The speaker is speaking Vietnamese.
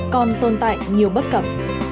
còn tồn tại nhiều bất cập